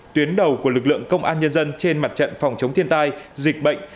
tuyến đầu của lực lượng công an nhân dân trên mặt trận phòng chống thiên tai dịch bệnh